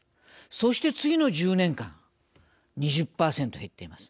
そして次の１０年間２０％減っています。